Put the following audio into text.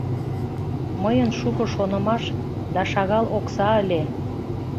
Мыйын шуко шонымаш да шагал окса ыле...